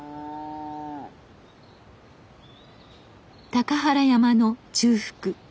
高原山の中腹。